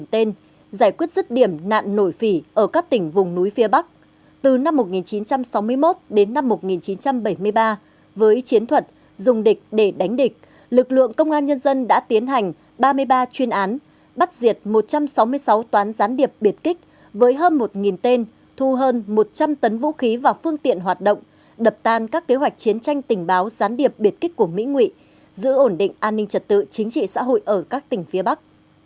trong trận nổi phỉ ở các tỉnh vùng núi phía bắc từ năm một nghìn chín trăm sáu mươi một đến năm một nghìn chín trăm bảy mươi ba với chiến thuật dùng địch để đánh địch lực lượng công an nhân dân đã tiến hành ba mươi ba chuyên án bắt diệt một trăm sáu mươi sáu toán gián điệp biệt kích với hơn một tên thu hơn một trăm linh tấn vũ khí và phương tiện hoạt động đập tan các kế hoạch chiến tranh tình báo gián điệp biệt kích của mỹ nghị giữ ổn định an ninh trật tự chính trị xã hội ở các tỉnh phía bắc